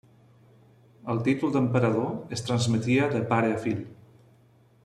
El títol d'emperador es transmetia de pare a fill.